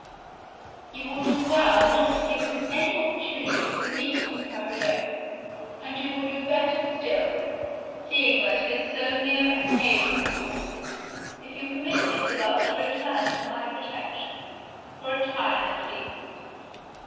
You will do well not to give him any opportunities of meeting with her alone. And you will do better still (seeing that he is so near a neighbor of yours) if you permit Isabel to return to my protection, for a time at least.